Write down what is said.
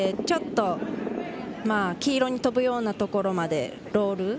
ちょっと黄色に飛ぶようなところまでロール。